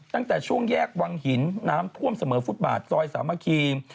ตั้งแต่ช่วงแยกวังหินน้ำท่วมเสมอฟุตบาทซอยสามัคคี